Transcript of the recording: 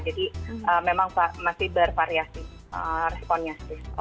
jadi memang masih bervariasi responnya sih